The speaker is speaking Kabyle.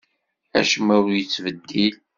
Acemma ur yettbeddil.